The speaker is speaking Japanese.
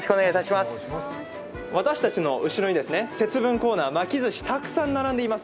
私たちの後ろに節分コーナー、巻きずしたくさん並んでいます。